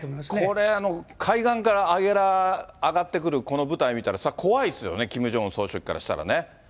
これ、海岸から上がってくるこの部隊見たら、それは怖いですよね、キム・ジョンウン総書記からしたらね。